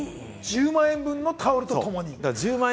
１０万円分のタオルとともに。